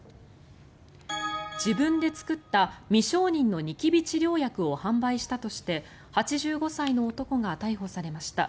自分で作った未承認のニキビ治療薬を販売したとして８５歳の男が逮捕されました。